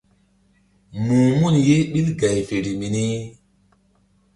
Muh mun ye ɓil gay feri mini.